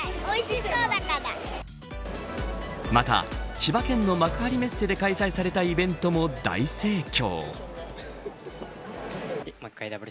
また、千葉県の幕張メッセで開催されたイベントも大盛況。